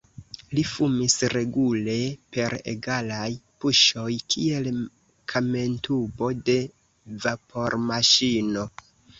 Li fumis regule, per egalaj puŝoj, kiel kamentubo de vapormaŝino.